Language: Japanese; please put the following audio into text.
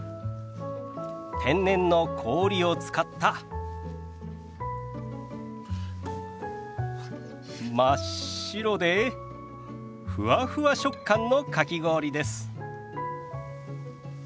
天然の氷を使った真っ白でふわふわ食感のかき氷です。